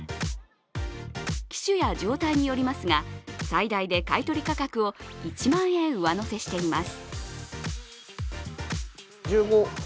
機種や状態によりますが、最大で買い取り価格を１万円上乗せしています。